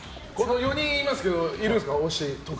４人いますけど推しはいるんですか？